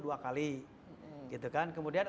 dua kali kemudian